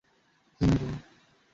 কে গাইবে এখন?